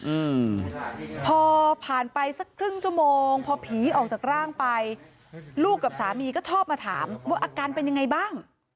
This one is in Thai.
อืมพอผ่านไปสักครึ่งชั่วโมงพอผีออกจากร่างไปลูกกับสามีก็ชอบมาถามว่าอาการเป็นยังไงบ้าง